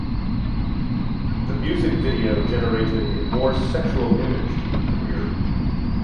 The music video generated a more sexual image to her career.